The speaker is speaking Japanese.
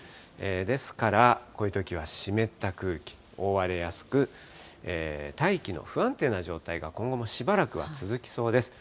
ですから、こういうときは湿った空気覆われやすく、大気の不安定な状態が今後もしばらくは続きそうです。